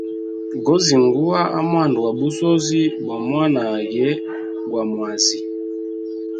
Gozingua a mwanda gwa busozi bwa mwanage gwa mwazi.